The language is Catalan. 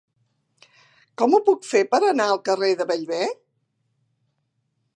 Com ho puc fer per anar al carrer de Bellver?